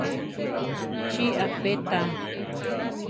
Chi á pe tá.